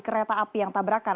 kereta api yang tabrakan